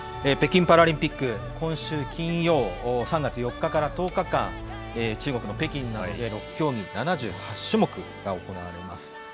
北京パラリンピック、今週金曜、３月４日から１０日間、中国の北京などで６競技７８種目が行われます。